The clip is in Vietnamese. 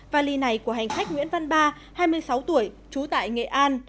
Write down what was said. vali này của hành khách nguyễn văn ba hai mươi sáu tuổi trú tại nghệ an